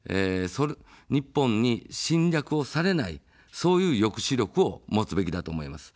日本に侵略をされない、そういう抑止力を持つべきだと思います。